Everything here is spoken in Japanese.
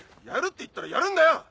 やるって言ったらやるんだよ！